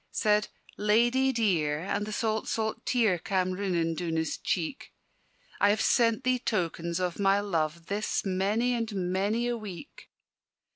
Said "Ladye dear," and the salt, salt tear Cam' rinnin' doon his cheek, "I have sent thee tokens of my love This many and many a week.